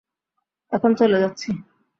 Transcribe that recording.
এখন চলে যাচ্ছি।